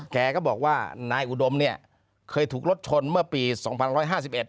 แกก็บอกว่านายอุดมเนี่ยเคยถูกรถชนเมื่อปีสองพันร้อยห้าสิบเอ็